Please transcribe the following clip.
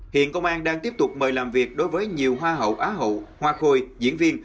hiện công an đang tiếp tục mời làm việc đối với nhiều hoa hậu á hậu hoa khôi diễn viên